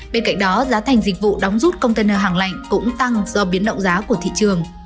bên cạnh đó giá thành dịch vụ đóng rút container hàng lạnh cũng tăng do biến động giá của thị trường